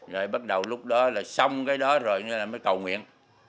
rồi bắt đầu lúc đó là xong cái đó rồi mới cầu nguyện